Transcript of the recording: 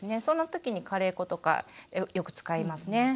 そんな時にカレー粉とかよく使いますね。